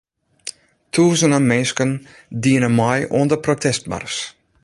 Tûzenen minsken diene mei oan de protestmars.